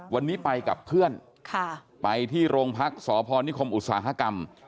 วันนี้ไปกับเพื่อนไปที่โรงพักษพนิคมอุตสาหกรรม